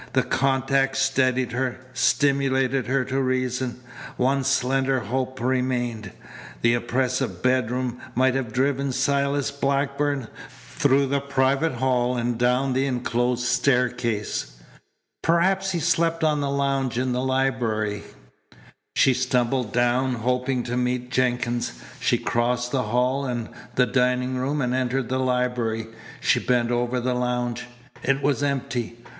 The contact steadied her, stimulated her to reason. One slender hope remained. The oppressive bedroom might have driven Silas Blackburn through the private hall and down the enclosed staircase. Perhaps he slept on the lounge in the library. She stumbled down, hoping to meet Jenkins. She crossed the hall and the dining room and entered the library. She bent over the lounge. It was empty.